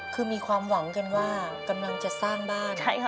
คือมีความหวังกันว่ากำลังจะสร้างบ้าน